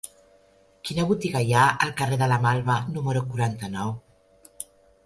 Quina botiga hi ha al carrer de la Malva número quaranta-nou?